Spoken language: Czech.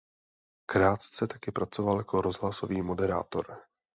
Krátce také pracoval jako rozhlasový moderátor.